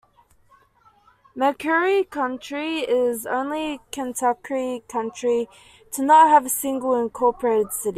McCreary County is the only Kentucky county to not have a single incorporated city.